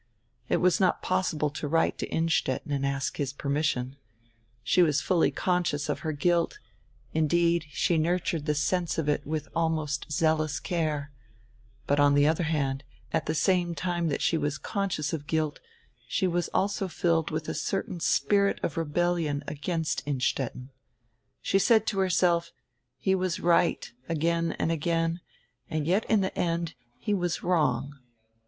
It was not possible to write to Innstetten and ask his permission. She was fully conscious of her guilt, indeed she nurtured the sense of it with almost zeal ous care; hut, on the other hand, at the same time that she was conscious of guilt, she was also filled with a certain spirit of rehellion against Innstetten. She said to herself, he was right, again and again, and yet in the end he was wrong.